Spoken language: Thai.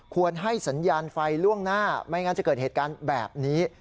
ให้สัญญาณไฟล่วงหน้าไม่งั้นจะเกิดเหตุการณ์แบบนี้